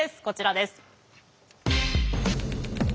こちらです。